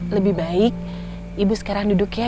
lebih baik ibu sekarang duduk ya